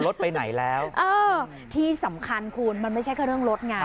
รถไปไหนแล้วเออที่สำคัญคุณมันไม่ใช่แค่เรื่องรถไง